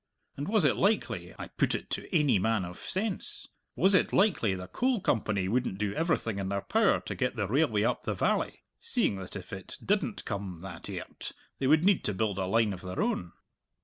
And was it likely I put it to ainy man of sense was it likely the Coal Company wouldn't do everything in their power to get the railway up the valley, seeing that if it didn't come that airt they would need to build a line of their own?"